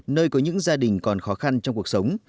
nơi có những gia đình còn khó khăn trong cuộc sống